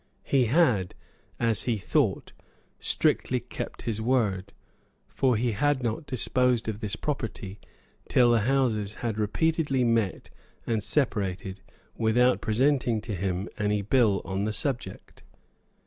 He had, as he thought, strictly kept his word; for he had not disposed of this property till the Houses had repeatedly met and separated without presenting to him any bill on the subject.